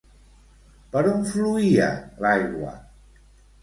Per on fluïa l'aigua?